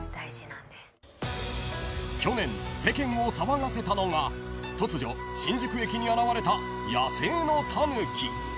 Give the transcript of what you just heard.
［去年世間を騒がせたのが突如新宿駅に現れた野生のタヌキ］